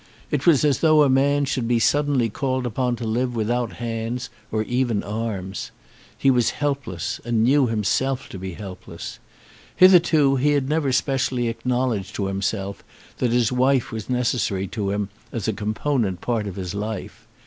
It was as though a man should be suddenly called upon to live without hands or even arms. He was helpless, and knew himself to be helpless. Hitherto he had never specially acknowledged to himself that his wife was necessary to him as a component part of his life.